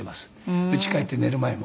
家帰って寝る前も。